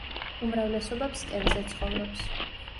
უმრავლესობა ფსკერზე ცხოვრობს.